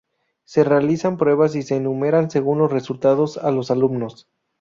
Se realizan pruebas y se enumeran según los resultados a los alumnos.